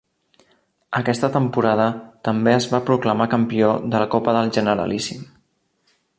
Aquesta temporada també es va proclamar campió de la Copa del Generalíssim.